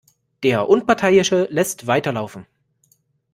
Der Unparteiische lässt weiterlaufen.